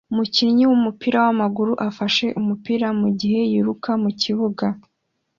Umukinnyi wumupira wamaguru afashe umupira mugihe yiruka mukibuga